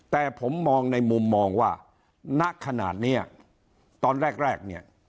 แต่ผมมองในมุมมองว่าณขนาดนี้ตอนแรกเนี่ย